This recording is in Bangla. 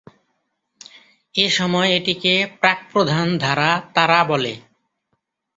এসময় এটিকে প্রাক-প্রধান ধারা তারা বলে।